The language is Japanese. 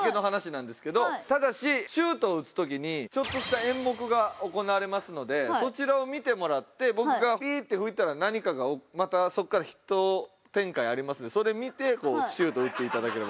ただしシュートを打つ時にちょっとした演目が行われますのでそちらを見てもらって僕がピーって吹いたら何かがまたそこからひと展開ありますのでそれ見てシュートを打っていただければ。